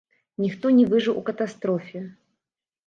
Ніхто не выжыў у катастрофе.